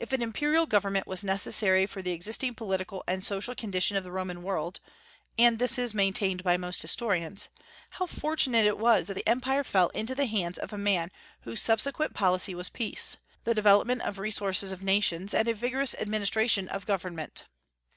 If an imperial government was necessary for the existing political and social condition of the Roman world, and this is maintained by most historians, how fortunate it was that the empire fell into the hands of a man whose subsequent policy was peace, the development of resources of nations, and a vigorous administration of government!